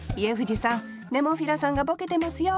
ネモフィラさんがボケてますよ。